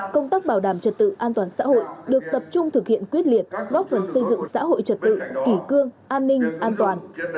công tác bảo đảm trật tự an toàn xã hội được tập trung thực hiện quyết liệt góp phần xây dựng xã hội trật tự kỷ cương an ninh an toàn